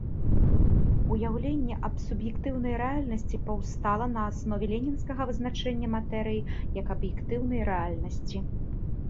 Уяўленне аб суб'ектыўнай рэальнасці паўстала на аснове ленінскага вызначэння матэрыі як аб'ектыўнай рэальнасці.